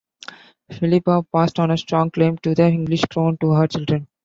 Philippa passed on a strong claim to the English crown to her children.